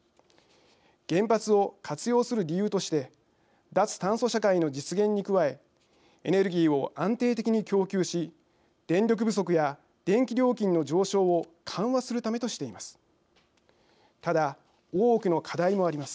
原発を活用する理由として脱炭素社会の実現に加えエネルギーを安定的に供給し電力不足や電気料金の上昇を緩和するためとしています。